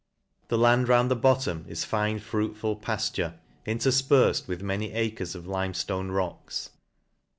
The land round the bottom is fine fruitful pafture, interfperfed with many acres of lime ftone rocks.